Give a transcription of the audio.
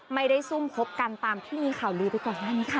ซุ่มคบกันตามที่มีข่าวลือไปก่อนหน้านี้ค่ะ